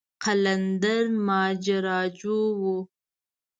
قلندر ماجراجو و.